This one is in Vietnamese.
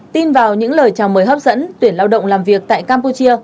tin vào những lời chào mời hấp dẫn tuyển lao động làm việc tại campuchia